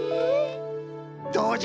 どうじゃ？